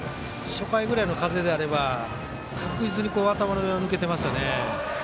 初回ぐらいの風であれば確実に頭の上を抜けていましたね。